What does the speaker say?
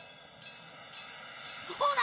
ほら！